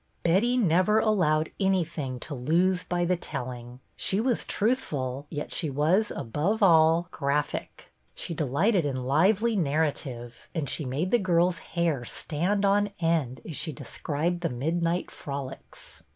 Betty never allowed anything to lose by the telling. She was truthful, yet she was, above all, graphic. She delighted in lively narrative, and she made the girls' hair stand on end as she described the midnight frolics.